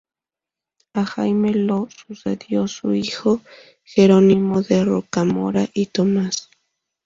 A Jaime lo sucedió su hijo Jerónimo de Rocamora y Thomas.